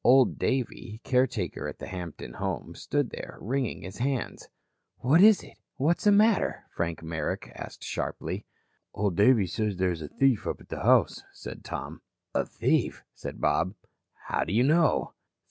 Old Davey, caretaker at the Hampton home, stood there, wringing his hands. "What is it? What's the matter?" Frank Merrick asked sharply. "Old Davey says there's a thief up at the house," said Tom. "A thief?" said Bob. "How do you know?"